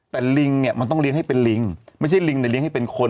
แต่ลิงเนี่ยมันต้องเลี้ยงให้เป็นลิงไม่ใช่ลิงเนี่ยเลี้ยงให้เป็นคน